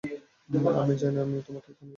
আমি জানি, আমিও তোমাকে এখানে নিয়ে আসলাম।